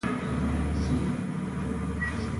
هغوی د غزل پر لرګي باندې خپل احساسات هم لیکل.